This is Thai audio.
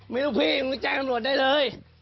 มีลูกพี่มึงจะแจ้งกำหนดได้เลย